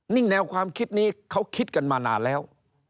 นี่แนวความคิดนี้เขาคิดกันมานานแล้ว